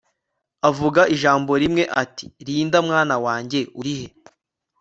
avuga ijambo rimwe ati Linda mwana wanjye urihe